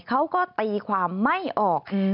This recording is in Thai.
เขาก็ตีความไม่ออก